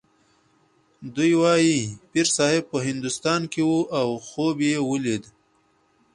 دوی وايي پیرصاحب په هندوستان کې و او خوب یې ولید.